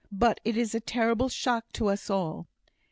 But it is a terrible shock to us all.